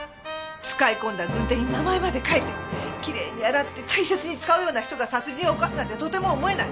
使い込んだ軍手に名前まで書いてきれいに洗って大切に使うような人が殺人を犯すなんてとても思えない！